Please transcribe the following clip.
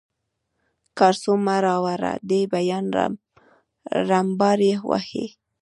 کارسو مه راوړه دی بیا رمباړې وهي.